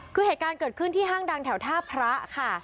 คือเหตุการณ์เกิดขึ้นที่ห้างดังแถวท่าพระค่ะ